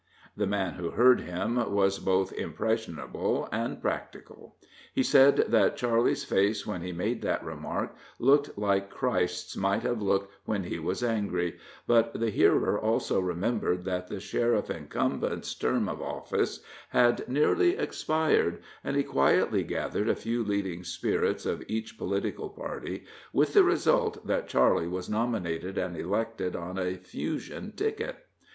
The man who heard him was both impressionable and practical. He said that Charley's face, when he made that remark, looked like Christ's might have looked when he was angry, but the hearer also remembered that the sheriff incumbent's term of office had nearly expired, and he quietly gathered a few leading spirits of each political party, with the result that Charley was nominated and elected on a "fusion" ticket.